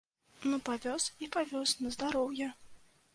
Ну, павёз і павёз, на здароўе.